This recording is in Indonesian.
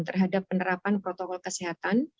terhadap penerapan protokol kesehatan